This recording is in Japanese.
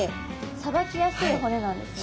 さばきやすい骨なんですね。